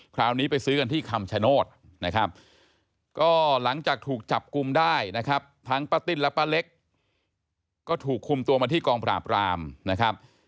คราวนี้ไปซื้อกันที่คำชโนธนะครับก็หลังจากถูกจับกลุ่มได้นะครับทั้งป้าติ้นและป้าเล็กก็ถูกคุมตัวมาที่กองปราบรามนะครับ